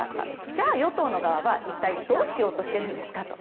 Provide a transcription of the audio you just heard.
じゃあ与党側は一体どうしようとしているんですかと。